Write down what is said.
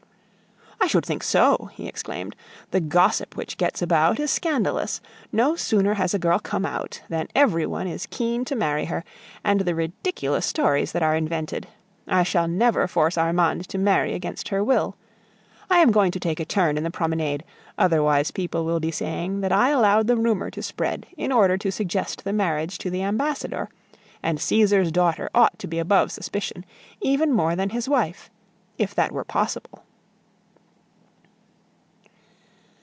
"I should think so!" he exclaimed. "The gossip which gets about is scandalous. No sooner has a girl come out than everyone is keen to marry her, and the ridiculous stories that are invented! I shall never force Armande to marry against her will. I am going to take a turn in the promenade, otherwise people will be saying that I allowed the rumor to spread in order to suggest the marriage to the ambassador; and Caesar's daughter ought to be above suspicion, even more than his wife if that were possible."